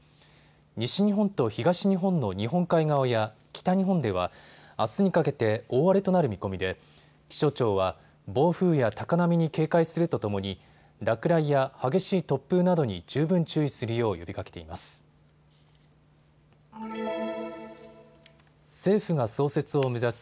西日本と東日本の日本海側や北日本ではあすにかけて大荒れとなる見込みで気象庁は暴風や高波に警戒するとともに落雷や激しい突風などに十分注意するよう呼びかけています。